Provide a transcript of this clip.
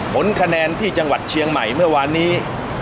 ผลคะแนนที่จังหวัดเชียงใหม่เมื่อวานนี้